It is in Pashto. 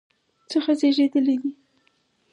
څخه زیږیدلی دی